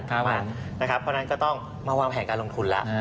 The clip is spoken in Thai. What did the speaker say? เพราะฉะนั้นก็ต้องมาวางแผนการลงทุนแล้ว